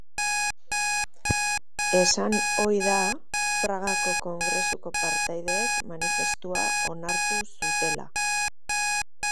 Esan ohi da Pragako kongresuko partaideek manifestua onartu zutela.